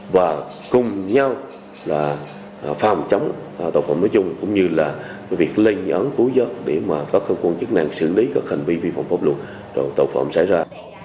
và cùng nhau là phạm chống tàu phạm nói chung cũng như là việc lên ấn cúi giấc để mà các cơ quan chức năng xử lý các hành vi vi phạm pháp luật rồi tàu phạm xảy ra